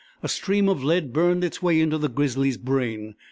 A stream of lead burned its way into the grizzly's brain.